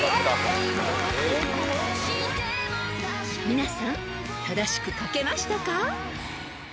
［皆さん正しく書けましたか？］